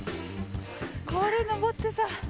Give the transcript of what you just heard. これ上ってさ。